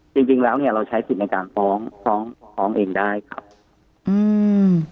จริงจริงแล้วเนี้ยเราใช้สิทธิ์ในการฟ้องฟ้องฟ้องเองได้ครับอืม